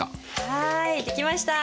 はいできました。